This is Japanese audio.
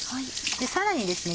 さらにですね